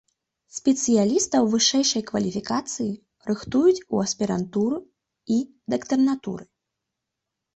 Спецыялістаў вышэйшай кваліфікацыі рыхтуюць у аспірантуры і дактарантуры.